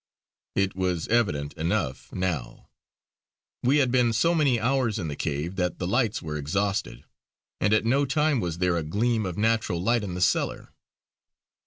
It was evident enough now. We had been so many hours in the cave that the lights were exhausted; and at no time was there a gleam of natural light in the cellar.